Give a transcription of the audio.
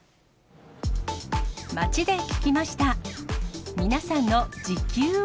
街で聞きました。